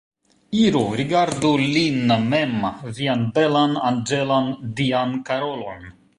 Iru, rigardu lin mem, vian belan, anĝelan, dian Karolon!